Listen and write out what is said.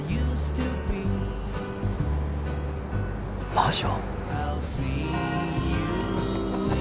魔女？